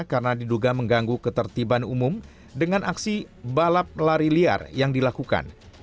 karena diduga mengganggu ketertiban umum dengan aksi balap lari liar yang dilakukan